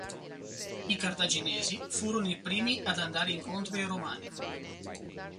I Cartaginesi furono i primi ad andare incontro ai Romani.